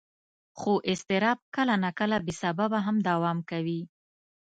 خو اضطراب کله ناکله بې سببه هم دوام کوي.